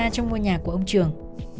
vết máu trên cán dao nhà của ông trường